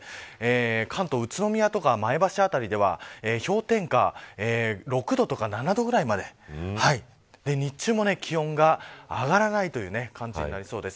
関東、宇都宮とか前橋辺りでは氷点下６度とか７度ぐらいまで日中も気温が上がらないという感じになりそうです。